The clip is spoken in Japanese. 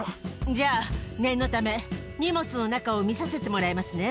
じゃあ、念のため荷物の中を見させてもらいますね。